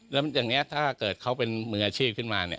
แล้วอย่างนี้ถ้าเกิดเขาเป็นมืออาชีพขึ้นมาเนี่ย